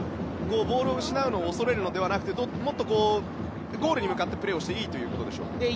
ボールを失うのを恐れるのではなくてもっとゴールに向かってプレーしてもいいということでしょうか。